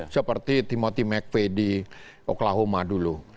seperti timothy mcveigh di oklahoma dulu